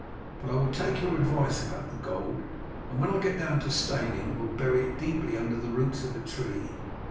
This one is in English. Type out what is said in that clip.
But I will take your advice about the gold, and when I get down to Steyning will bury it deeply under the roots of a tree.